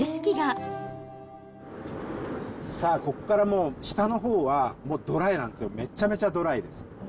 さあ、ここからもう、下のほうはもうドライなんですよ、めっちゃめちゃドライです。